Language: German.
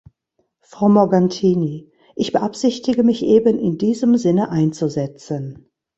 Frau Morgantini, ich beabsichtige, mich eben in diesem Sinne einzusetzen.